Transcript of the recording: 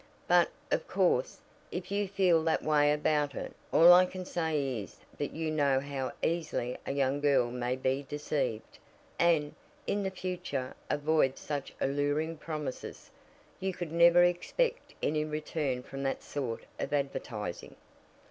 "But, of course, if you feel that way about it, all I can say is that you know how easily a young girl may be deceived, and, in the future, avoid such alluring promises. You could never expect any return from that sort of advertising."